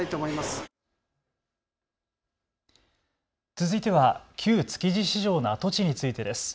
続いては旧築地市場の跡地についてです。